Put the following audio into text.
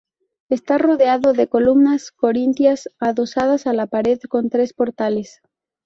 Está rodeado de columnas corintias adosadas a la pared, con tres portales.